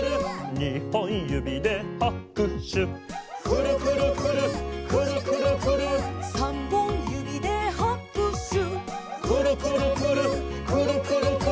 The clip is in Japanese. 「にほんゆびではくしゅ」「くるくるくるっくるくるくるっ」「さんぼんゆびではくしゅ」「くるくるくるっくるくるくるっ」